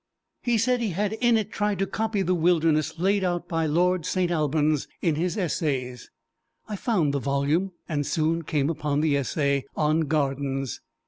He said he had in it tried to copy the wilderness laid out by lord St. Alban's in his essays. I found the volume, and soon came upon the essay, On Gardens.